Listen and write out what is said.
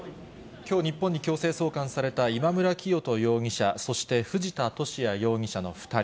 きょう、日本に強制送還された今村磨人容疑者、そして藤田聖也容疑者の２人。